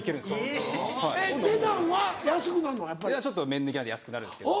麺抜きなんで安くなるんですけど。